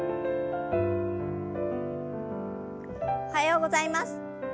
おはようございます。